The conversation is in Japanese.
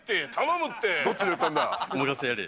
お任せあれ。